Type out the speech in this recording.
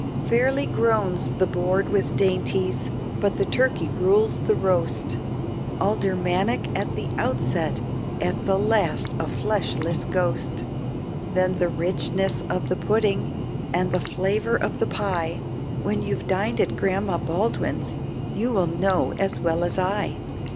Fairly groans the board with dainties, but the turkey rules the roast, Aldermanic at the outset, at the last a fleshless ghost. Then the richness of the pudding, and the flavor of the pie, When you've dined at Grandma Baldwin's you will know as well as I.